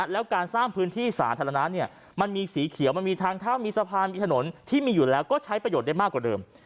แล้วการสร้างพื้นที่สาธารณะมันมีสีเขียวมันมีทางเท้ามีสะพานมีถนนที่มีอยู่แล้วก็ใช้ประโยชน์ได้มากกว่าเดิม